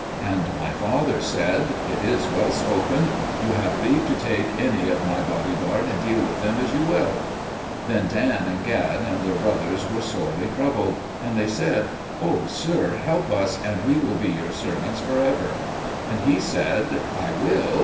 And my father said, 'It is well spoken: you have leave to take any of my bodyguard and deal with them as you will.'" Then Dan and Gad and their brothers were sorely troubled, and they said, "O sir, help us, and we will be your servants for ever." And he said, "I will.